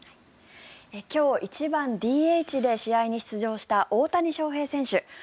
今日、１番ＤＨで試合に出場した大谷翔平選手。